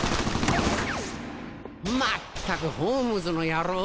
まったくホームズの野郎！